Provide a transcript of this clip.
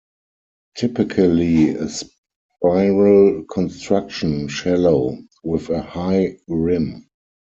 Typically of spiral construction, shallow, with a high rim.